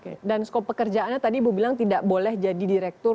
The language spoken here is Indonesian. oke dan skop pekerjaannya tadi ibu bilang tidak boleh jadi direktur